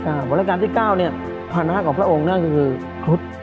รายการที่๙ภานะของพระองค์นั้นคือครุฑ